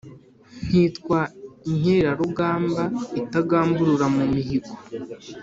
Nkitwa inkerarugamba itagamburura mu mihigo.